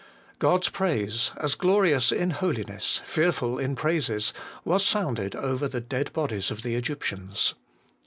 God's praise, as Glorious in Holiness, Fearful in Praises, was sounded over the dead bodies of the Egyptians.